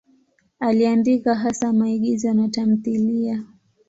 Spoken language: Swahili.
Aliandika hasa maigizo na tamthiliya.